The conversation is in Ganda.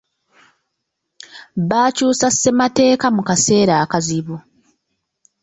Baakyusa ssemateeka mu kaseera akazibu.